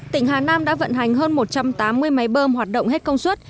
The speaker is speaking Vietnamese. tỉnh hà nam đã vận hành hơn một trăm tám mươi máy bơm hoạt động hết công suất